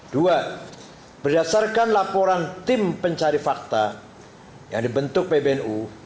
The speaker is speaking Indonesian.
dua berdasarkan laporan tim pencari fakta yang dibentuk pbnu